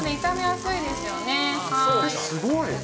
すごい。